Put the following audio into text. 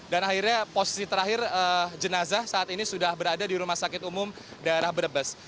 dan akhirnya posisi terakhir jenazah saat ini sudah berada di rumah sakit umum daerah berbest